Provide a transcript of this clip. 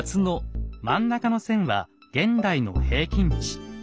真ん中の線は現代の平均値。